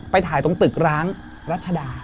ถ่ายตรงตึกร้างรัชดา